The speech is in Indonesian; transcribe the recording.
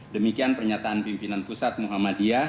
demikian pernyataan pimpinan pusat muhammadiyah